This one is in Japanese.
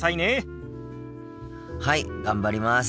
はい頑張ります！